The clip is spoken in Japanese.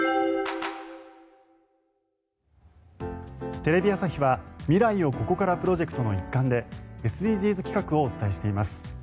テレビ朝日は未来をここからプロジェクトの一環でＳＤＧｓ企画をお伝えしています。